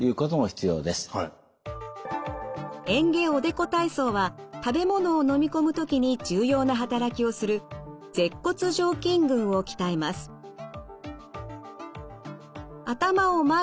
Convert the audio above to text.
嚥下おでこ体操は食べ物をのみ込む時に重要な働きをする舌骨上筋群を鍛えます。